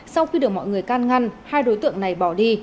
sau khi được mọi người can ngăn hai đối tượng này bỏ đi